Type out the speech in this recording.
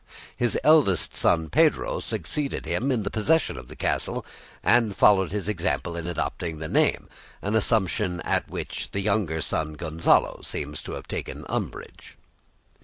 His eldest son Pedro succeeded him in the possession of the castle, and followed his example in adopting the name, an assumption at which the younger son, Gonzalo, seems to have taken umbrage.